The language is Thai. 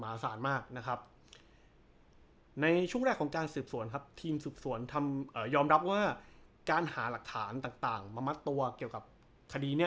สารมากนะครับในช่วงแรกของการสืบสวนครับทีมสืบสวนทำยอมรับว่าการหาหลักฐานต่างมามัดตัวเกี่ยวกับคดีนี้